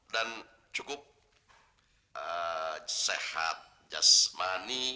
dan cukup sehat jasmani